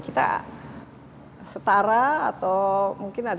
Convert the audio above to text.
kita setara atau mungkin ada